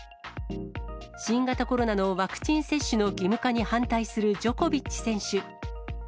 新型コロナのワクチン接種の義務化に反対するジョコビッチ選手。